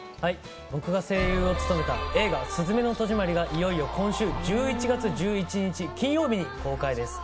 僕が声優を務めた映画「すずめの戸締まり」がいよいよ今週１１月１１日金曜日に公開です。